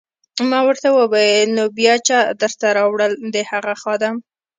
ما ورته وویل: نو بیا چا درته راوړل؟ د هغه خادم.